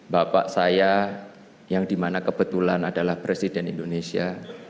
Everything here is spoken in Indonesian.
bapak saya yang dimana kebetulan adalah presiden indonesia